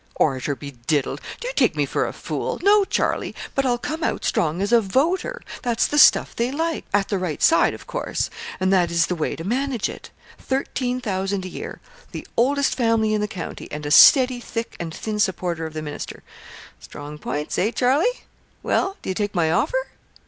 'Orator be diddled! Do you take me for a fool? No, Charlie; but I'll come out strong as a voter that's the stuff they like at the right side, of course, and that is the way to manage it. Thirteen thousand a year the oldest family in the county and a steady thick and thin supporter of the minister. Strong points, eh, Charlie? Well, do you take my offer?'